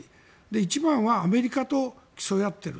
一番はアメリカと競い合っている。